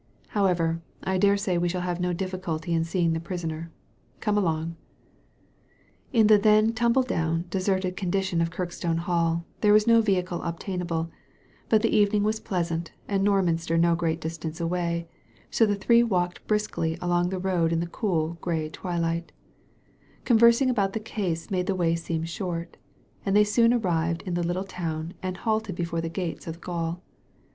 ^ However, I dare say we shall have no difficulty in seeing the prisoner. Come along 1 " In the then tumble down, deserted condition of Kirkstone Hall there was no vehicle obtainable, but the evening was pleasant and Norminster no great distance away, so the three walked briskly along the road in the cool, grey twilight Conversing about the case made the way seem short, and they soon arrived in the little town and halted before the gates of the gaol.